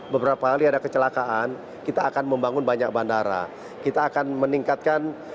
beberapa hari ada kecelakaan kita akan membangun banyak bandara kita akan meningkatkan